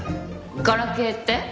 ガラケイって？